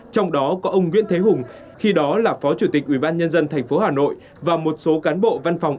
trong đó có ông nguyễn thế hùng khi đó là phó chủ tịch ubnd tp hà nội và một số cán bộ văn phòng